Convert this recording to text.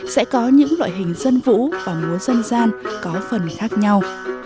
sẽ có những loại hình dân vũ và múa dân gian có phần khác nhau